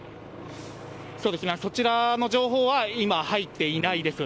そちらの情報は、今、入っていないです。